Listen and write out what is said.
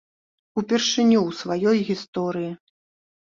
Упершыню ў сваёй гісторыі!